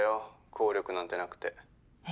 効力なんてなくてえっ？